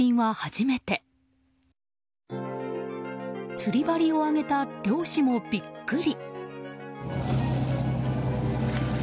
釣り針を上げた漁師もビックリ。